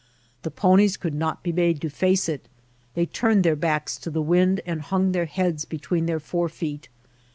The ponies could not be made to face it. They turned their backs to the wind and hung their heads be tween their fore feet.